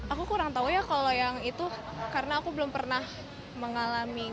aku kurang tahu ya kalau yang itu karena aku belum pernah mengalami